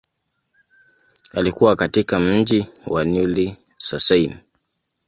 Alikua katika mji wa Neuilly-sur-Seine.